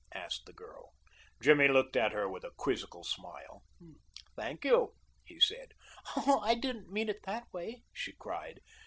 asked the girl. Jimmy looked at her with a quizzical smile. "Thank you," he said. "Oh, I didn't mean it that way," she cried.